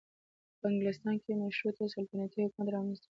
په انګلستان کې مشروطه سلطنتي حکومت رامنځته شو.